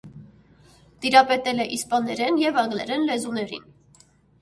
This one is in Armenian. Տիրապետել է իսպաներեն և անգլերեն լեզուներին։